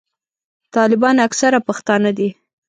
طالبان اکثره پښتانه دي.